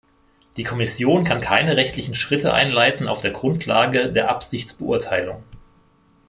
Die Kommission kann keine rechtlichen Schritte einleiten auf der Grundlage der Absichtsbeurteilung.